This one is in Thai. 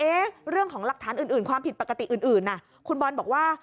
เรื่องของหลักฐานอื่นความผิดปกติอื่นน่ะคุณบอลบอกว่า